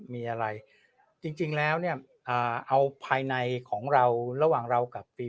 มีอะไรจริงจริงแล้วเนี้ยอ่าเอาภายในของเราระหว่างเรากับ